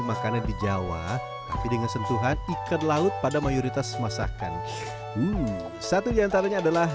makanan di jawa tapi dengan sentuhan ikan laut pada mayoritas masakan satu diantaranya adalah